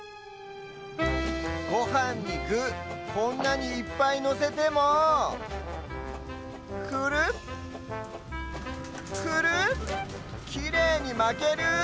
ごはんにぐこんなにいっぱいのせてもクルクルきれいにまける！